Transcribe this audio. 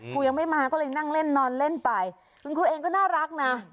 ครูยังไม่มาก็เลยนั่งเล่นนอนเล่นไปคุณครูเองก็น่ารักนะ